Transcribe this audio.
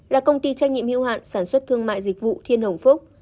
là công ty trách nhiệm hữu hạn sản xuất thương mại dịch vụ thiên hồng phúc